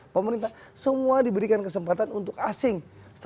pemerintah semua diberikan kesempatan untuk asing